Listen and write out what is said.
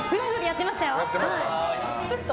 やってましたよ。